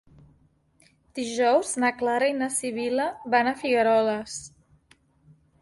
Dijous na Clara i na Sibil·la van a Figueroles.